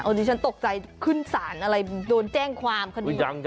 เอาจริงฉันตกใจขึ้นสารอะไรโดนแจ้งความคดี